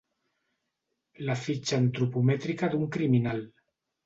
La fitxa antropomètrica d'un criminal.